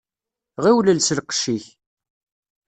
Ɣiwel els lqecc-ik.